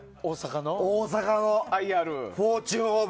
大阪のＩＲに「フォーチュンオーブ」。